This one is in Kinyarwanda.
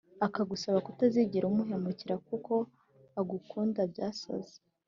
akagusaba kutazigera umuhemukira kuko agukunda byasaze